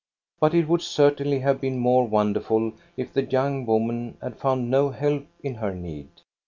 But it would certainly have been more wonderful if the young woman had found no help in her need.